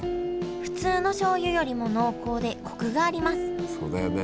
普通の醤油よりも濃厚でコクがあります。